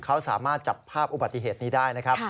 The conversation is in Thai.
เขาสามารถจับภาพอุบัติเหตุนี้ได้นะครับ